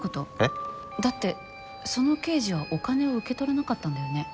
だってその刑事はお金を受け取らなかったんだよね。